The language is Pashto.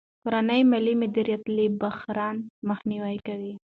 کورنی مالي مدیریت له بحران مخنیوی کوي.